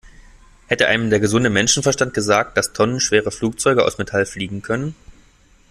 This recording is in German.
Hätte einem der gesunde Menschenverstand gesagt, dass tonnenschwere Flugzeuge aus Metall fliegen können?